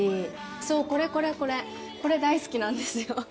そうこれこれこれこれ大好きなんですよ。